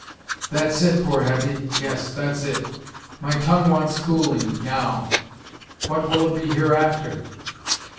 "That's it, poor Hetty; yes, that's it. My tongue wants cooling, now what will it be hereafter?"